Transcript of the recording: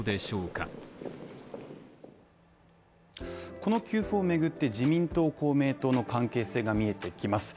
この給付をめぐって自民党公明党の関係性が見えてきます